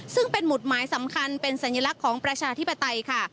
ซึ่งเป็นหมุดหมายสำคัญเป็นสัญลักษณ์ของประชาธิปไตยค่ะ